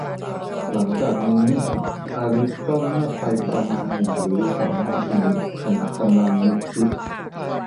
หลังจากนี้ อลิซก็เงียบไปประมาณหนึ่งหรือสองนาที ขณะกำลังนึกคิด